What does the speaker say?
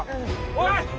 おい！